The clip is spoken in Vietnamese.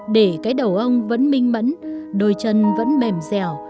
để cái đầu ông vẫn minh mẫn đôi chân vẫn mềm dẻo